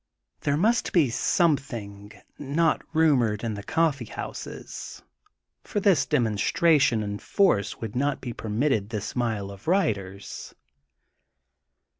There must be something, not rumored in the coffee houses, or this demonstra tioii in force would not be permitted this mile of riders.